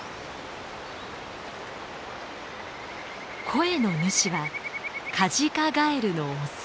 声の主はカジカガエルのオス。